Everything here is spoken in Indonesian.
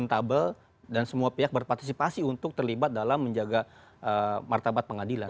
semua pihak berpartisipasi untuk terlibat dalam menjaga martabat pengadilan